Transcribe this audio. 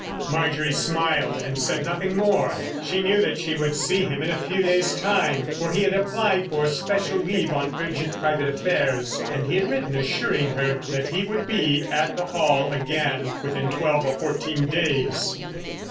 Marjorie smiled and said nothing more. She knew that she would see him in a few days' time, for he had applied for special leave on urgent private affairs, and he had written assuring her that he would be at the Hall again within twelve or fourteen days.